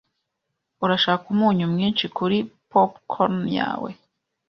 Urashaka umunyu mwinshi kuri popcorn yawe?